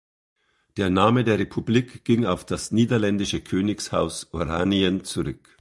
Der Name der Republik ging auf das niederländische Königshaus Oranien zurück.